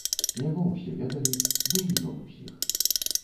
Яго ўсе ведалі, ды і ён усіх.